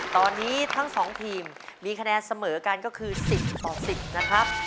ตอนนี้ทั้ง๒ทีมมีคะแนนเสมอกันก็คือ๑๐ต่อ๑๐นะครับ